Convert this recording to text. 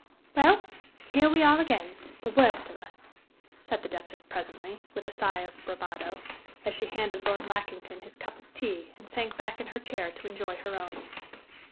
"Well, here we are again the worst of us!" said the Duchess, presently, with a sigh of bravado, as she handed Lord Lackington his cup of tea and sank back in her chair to enjoy her own.